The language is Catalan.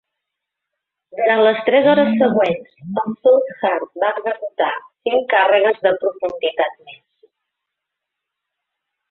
Durant les tres hores següents, el Southard va executar cinc càrregues de profunditat més.